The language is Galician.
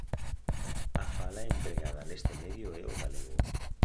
A fala empregada neste medio é o galego.